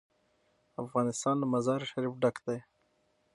افغانستان له مزارشریف ډک دی.